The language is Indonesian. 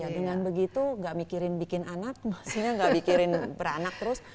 dengan begitu nggak mikirin bikin anak maksudnya nggak mikirin beranak terus